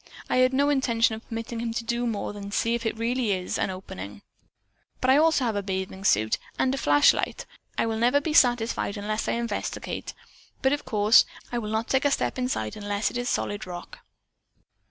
I had no intention of permitting him to do more than see if it really is an opening. I also have a bathing suit and a flashlight. I never will be satisfied unless I investigate, but of course I will not take a step inside unless it is solid rock."